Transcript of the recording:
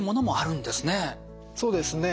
そうですね。